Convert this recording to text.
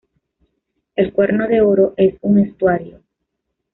El Cuerno de Oro es un estuario.